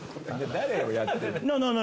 誰をやってるの？